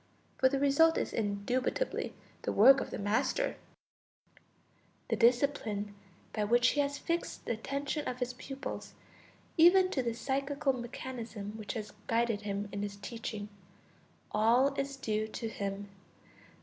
For the result is indubitably the work of the master; the discipline by which he has fixed the attention of his pupils, even to the psychical mechanism which has guided him in his teaching, all is due to him.